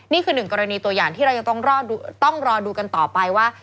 นี่คือหนึ่งกรณีตัวอย่างที่เรายังต้องรอดูกันต่อไปว่า